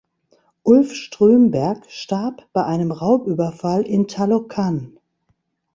Ulf Strömberg starb bei einem Raubüberfall in Taloqan.